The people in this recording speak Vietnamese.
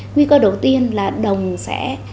nguy cơ đầu tiên là đồng sẽ